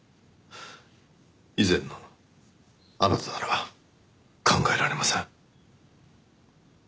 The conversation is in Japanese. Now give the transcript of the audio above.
以前のあなたからは考えられません。